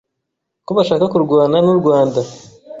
ko bashaka kurwana n’u Rwanda